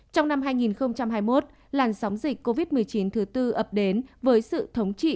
trong năm hai nghìn hai mươi một làn sóng dịch covid một mươi chín thứ tư ập đến với sự thống trị